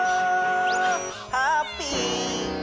「ハッピー」